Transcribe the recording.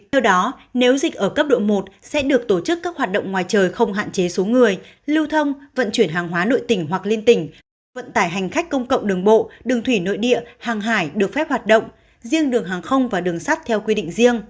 theo đó nếu dịch ở cấp độ một sẽ được tổ chức các hoạt động ngoài trời không hạn chế số người lưu thông vận chuyển hàng hóa nội tỉnh hoặc liên tỉnh vận tải hành khách công cộng đường bộ đường thủy nội địa hàng hải được phép hoạt động riêng đường hàng không và đường sắt theo quy định riêng